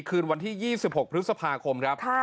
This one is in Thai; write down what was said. คืนวันที่๒๖พฤษภาคมครับ